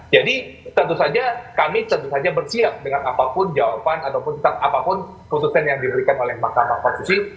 jadi tentu saja kami tentu saja bersiap dengan apapun jawaban ataupun kitab apapun keputusan yang diberikan oleh mahkamah fakultusi